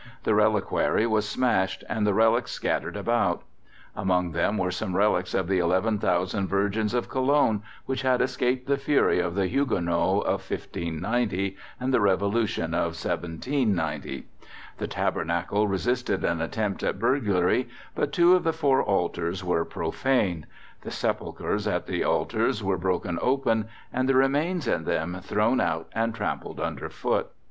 The reliquary was smashed, and the relics scattered about. Among them were some relics of the Eleven Thousand Virgins of Cologne, which had escaped the fury of the Huguenots of 1590 and the Revolution of 1790. The tabernacle resisted an attempt at burglary, but two of the four altars were profaned; the sepulchres at the altars were broken open and the remains in them thrown out and trampled under foot.